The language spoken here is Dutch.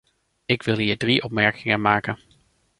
Ik wil hier drie opmerkingen maken.